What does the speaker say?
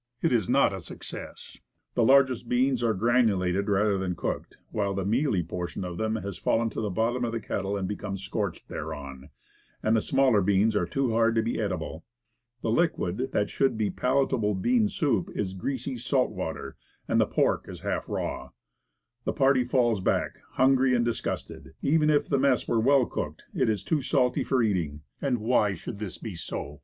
It is not a success. The larger beans are granulated rather than cooked, while the mealy portion of them has fallen to the bottom of the kettle, and become scorched thereon, and the smaller beans are too hard to be eatable. The liquid, that should be palatable bean soup, is greasy salt water, and the pork is half raw. The party falls back, hungry and disgusted. Even if the mess were well cooked, it is too salt for eating. And why should this be so?